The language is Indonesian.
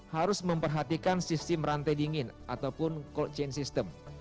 harus memperhatikan sistem rantai dingin ataupun cold chain system